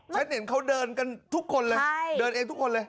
ฉันเห็นเขาเดินกันทุกคนเลยเดินเองทุกคนเลย